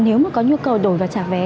nếu mà có nhu cầu đổi và trả vé